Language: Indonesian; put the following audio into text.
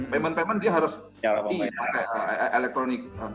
payment payment dia harus e payment pakai elektronik